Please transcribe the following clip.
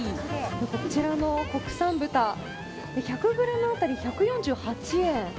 こちらの国産豚１００ｇ当たり１４８円。